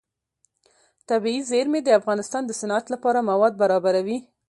طبیعي زیرمې د افغانستان د صنعت لپاره مواد برابروي.